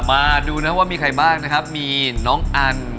มาดูนะว่ามีใครบ้างนะครับมีน้องอัน